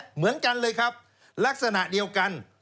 เหมือนกันเลยครับลักษณะเดียวกัน